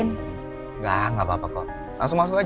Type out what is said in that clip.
enggak enggak apa apa kok langsung masuk aja